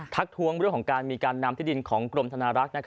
ทักทวงเรื่องของการมีการนำที่ดินของกรมธนารักษ์